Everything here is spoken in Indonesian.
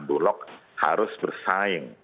bulog harus bersaing